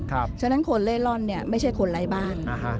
เพราะฉะนั้นคนเล่ร่อนไม่ใช่คนไร้บ้าน